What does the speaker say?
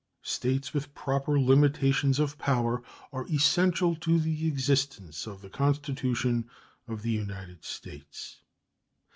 States, with proper limitations of power, are essential to the existence of the Constitution of the United States.